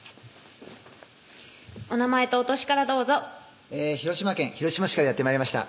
お名前とお歳からどうぞ広島県広島市からやって参りました